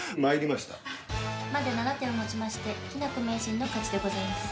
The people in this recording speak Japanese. まで７手をもちましてきなこ名人の勝ちでございます。